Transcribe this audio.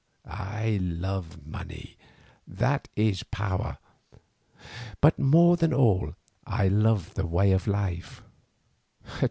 I love the money that is power; but more than all, I love the way of life.